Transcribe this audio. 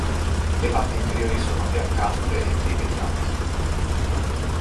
Le parti inferiori sono biancastre e prive di macchie.